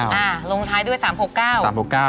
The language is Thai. อ่าลงท้ายด้วยสามหกเก้าสามหกเก้า